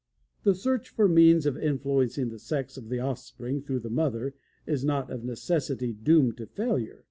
The search for means of influencing the sex of the offspring through the mother is not of necessity doomed to failure.